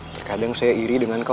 terkadang saya iri dengan kau